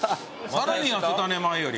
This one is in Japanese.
さらに痩せたね前より。